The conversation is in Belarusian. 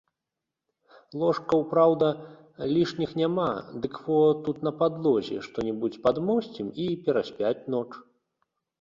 Ложкаў, праўда, лішніх няма, дык во тут на падлозе што-небудзь падмосцім, і пераспяць ноч.